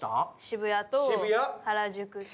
渋谷と原宿と。